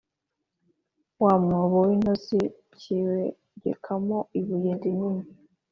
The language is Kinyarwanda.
wa mwobo w'intozi kiwegekaho ibuye rinini